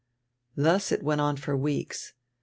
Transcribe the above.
Thus it went on for weeks.